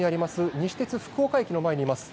西鉄福岡駅の前にいます。